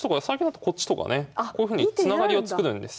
こういうふうにつながりを作るんです。